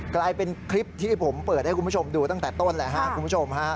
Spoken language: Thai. กลายเป็นคลิปที่ผมเปิดให้คุณผู้ชมดูตั้งแต่ต้นแหละครับคุณผู้ชมฮะ